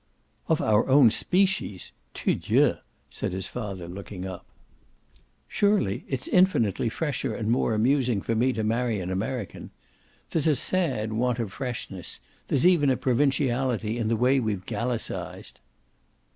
"Of our own species? Tudieu!" said his father, looking up. "Surely it's infinitely fresher and more amusing for me to marry an American. There's a sad want of freshness there's even a provinciality in the way we've Gallicised."